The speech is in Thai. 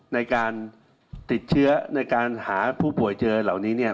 ในการติดเชื้อในการหาผู้ป่วยเจอเหล่านี้เนี่ย